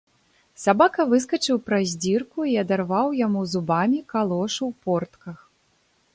Сабака выскачыў праз дзірку і адарваў яму зубамі калошу ў портках.